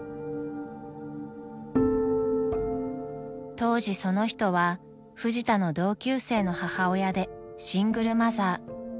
［当時その人はフジタの同級生の母親でシングルマザー］